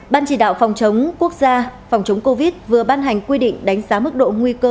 ban chỉ đạo phòng chống quốc gia phòng chống covid vừa ban hành quy định đánh giá mức độ nguy cơ